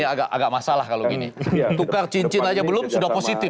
agak agak masalah kalau gini tukar cincin aja belum sudah positif